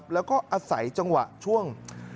แล้วก็อาศัยจังหวะช่วง